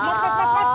mut mut mut